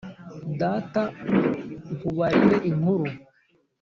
data nkubarire inkuru